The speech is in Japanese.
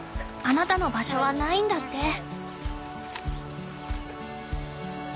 あなたの場所はないんだって。